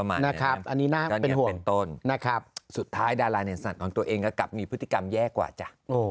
อันนี้เป็นห่วงสุดท้ายดาราเน็นสรรค์ของตัวเองก็กลับมีพฤติกรรมแย่กว่าจ้ะ